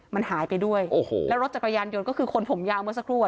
มันหายไปด้วยโอ้โหแล้วรถจักรยานยนต์ก็คือคนผมยาวเมื่อสักครู่